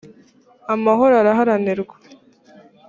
amahoro araharanirwa.